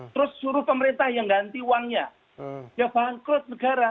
terus suruh pemerintah yang ganti uangnya ya bangkrut negara